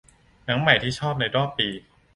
หนังใหม่ที่ชอบในรอบปี